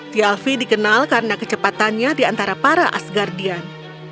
thfi dikenal karena kecepatannya di antara para asgardian